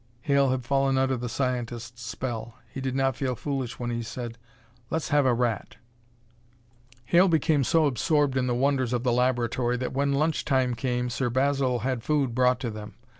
Hale had fallen under the scientist's spell. He did not feel foolish when he said: "Let's have a rat!" Hale became so absorbed in the wonders of the laboratory that when lunch time came, Sir Basil had food brought to them.